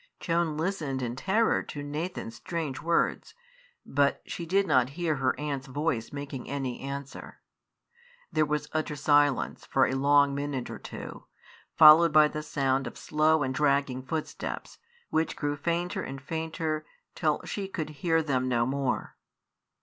Joan listened in terror to Nathan's strange words, but she did not hear her aunt's voice making any answer. There was utter silence for a long minute or two, followed by the sound of slow and dragging footsteps, which grew fainter and fainter till she could hear them no more.